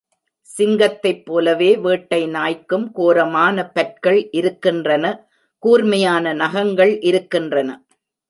சிங்கத்தைப் போலவே வேட்டை நாய்க்கும் கோரமான பற்கள் இருக்கின்றன கூர்மையான நகங்கள் இருக்கின்றன.